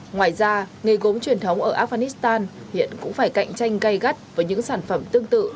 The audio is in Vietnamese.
ngoài ra nghề gốm truyền thống ở afghanistan hiện cũng phải cạnh tranh gây gắt với những sản phẩm tương tự